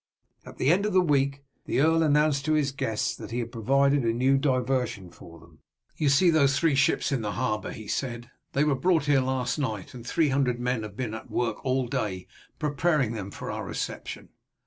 At the end of the week the earl announced to his guests that he had provided a new diversion for them. "You see those three ships in the harbour," he said. "They were brought here last night, and three hundred men have been at work all day preparing them for our reception.